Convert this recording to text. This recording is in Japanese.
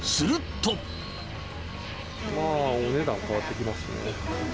お値段変わってきますね。